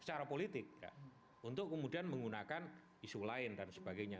secara politik untuk kemudian menggunakan isu lain dan sebagainya